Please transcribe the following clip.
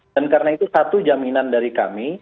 dan karena itu satu jaminan dari kami